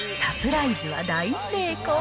サプライズは大成功。